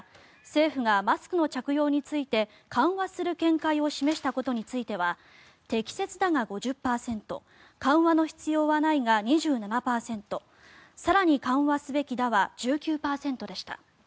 政府がマスクの着用について緩和する見解を示したことについては適切だが５０％緩和の必要はないが２７％更に緩和すべきだは１９％でした。